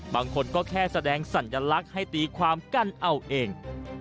บางคนก็แค่แสดงสัญลักษณ์ให้ตีความกันเอาเอง